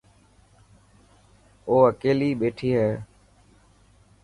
او اڪيلي ٻيٺي هي.